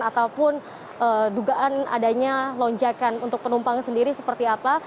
ataupun dugaan adanya lonjakan untuk penumpang sendiri seperti apa